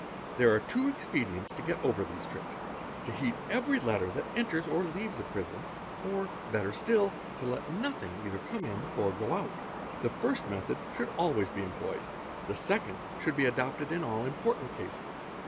There are a _ two expedients to get over these tricks; to heat every letter that enters or Z leaves a prison or, better still, to let nothing either come in or go out. _ 'The first method should be always employed ; the second should be e adopted in all important cases.